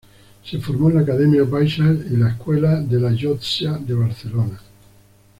Se formó en la Academia Baixas y la Escuela de la Llotja de Barcelona.